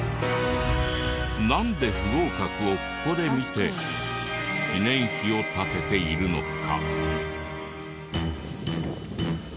なんで不合格をここで見て記念碑を建てているのか？